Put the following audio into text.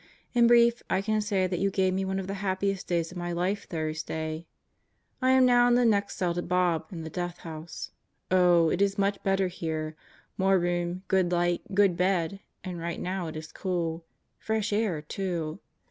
In brief I can say that you gave me one of the happiest days of my life Thursday. I am now in the next cell to Bob, in the Death House. Oh, it is so much better here: more room, good light, good bed, 'and right now it is cool; fresh air, too.